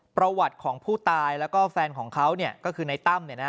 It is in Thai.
ประวัติของผู้ตายแล้วก็แฟนของเขาเนี่ยก็คือนายตั้มเนี่ยนะ